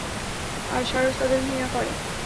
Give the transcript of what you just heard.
আর সারস তাদের ঘৃণা করে।